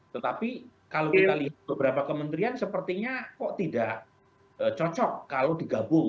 tetapi kalau kita lihat beberapa kementerian sepertinya kok tidak cocok kalau digabung